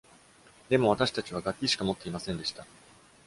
でも、私たちは、楽器しか持っていませんでした。